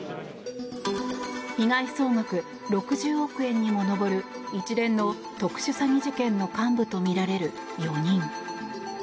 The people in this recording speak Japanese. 被害総額６０億円にも上る一連の特殊詐欺事件の幹部とみられる４人。